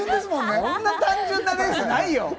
こんな単純なレースないよ。